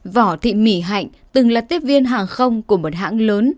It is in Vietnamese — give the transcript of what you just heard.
vỏ thị mỉ hạnh từng là tiếp viên hàng không của một hãng lớn